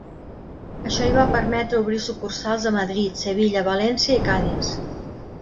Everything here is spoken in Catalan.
Això li va permetre obrir sucursals a Madrid, Sevilla, València i Cadis.